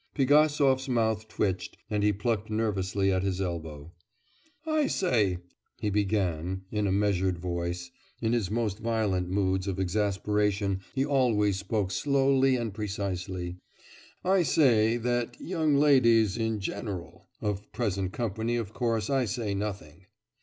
Pigasov's mouth twitched, and he plucked nervously at his elbow. 'I say,' he began in a measured voice in his most violent moods of exasperation he always spoke slowly and precisely. 'I say that young ladies, in general of present company, of course, I say nothing.